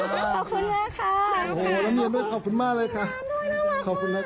ขอบคุณมากเลยค่ะ